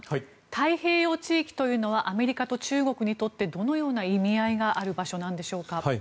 太平洋地域というのはアメリカと中国にとってどのような意味合いがある場所なんでしょうか？